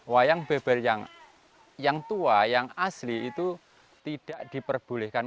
wayang beber yang tua yang asli itu tidak diperbolehkan